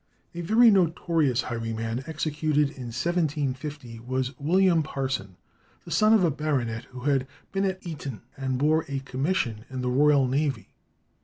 A very notorious highwayman executed in 1750 was William Parson, the son of a baronet, who had been at Eton, and bore a commission in the Royal Navy.